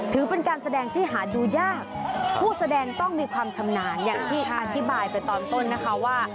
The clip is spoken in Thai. ถือเป็นการแสดงที่หาดูยากผู้แสดงต้องมีความชำนาญอย่างที่อธิบายไปตอนต้นนะคะว่า